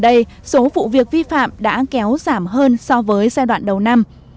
trong vụ việc vi phạm đã kéo giảm hơn so với giai đoạn đầu năm